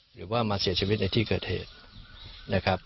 หรือว่ามาเสียชีวิตในที่เกิดเหตุนะครับ